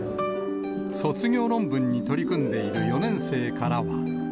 卒業論文に取り組んでいる４年生からは。